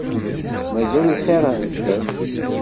Mazal lxir ɣer sdat.